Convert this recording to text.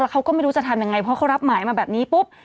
เขาก็ไม่รู้จะทำยังไงเพราะเขารับหมายมาแบบนี้ปุ๊บ